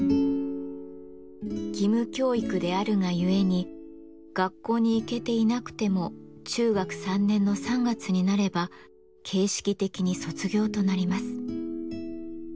義務教育であるが故に学校に行けていなくても中学３年の３月になれば形式的に卒業となります。